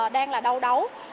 đang là đau đấu